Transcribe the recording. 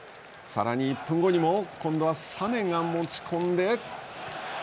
さらに１分後にも今度はサネが持ち込んで。